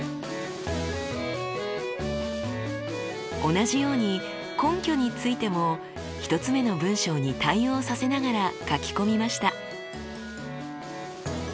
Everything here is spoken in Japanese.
同じように根拠についても１つ目の文章に対応させながら書き込みました。